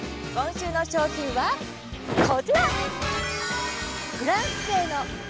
今週の商品はこちら！